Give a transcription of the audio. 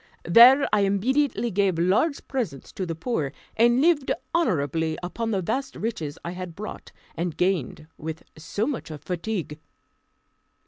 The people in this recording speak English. There I immediately gave large presents to the poor, and lived honourably upon the vast riches I had brought, and gained with so much fatigue.